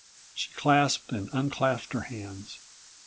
She clasped and unclasped her hands.